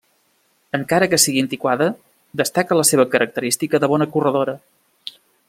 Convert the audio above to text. Encara que sigui antiquada, destaca la seva característica de bona corredora.